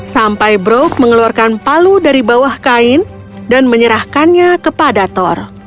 sampai brok mengeluarkan palu dari bawah kain dan menyerahkannya kepada thor